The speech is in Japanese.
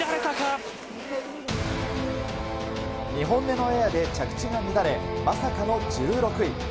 ２本目のエアで着地が乱れ、まさかの１６位。